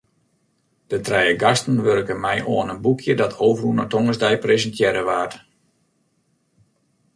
De trije gasten wurken mei oan in boekje dat ôfrûne tongersdei presintearre waard.